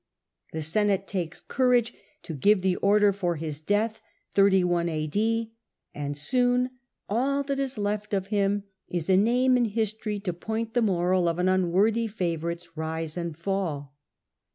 The Senate takes courage to give the order for his death, and soon all that is left of him is a name in history to point the moral of an unworthy favourite's rise and fall.